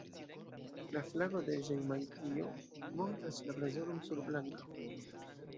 La flago de Ĵemajtio montras la blazonon sur blanka fono.